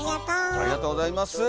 ありがとうございます！